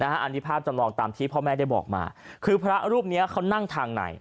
อันนี้ภาพจำลองตามที่พ่อแม่ได้บอกมาคือพระรูปนี้เขานั่งทางไหน